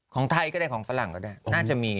ของไทยก็ได้ของฝรั่งก็ได้น่าจะมี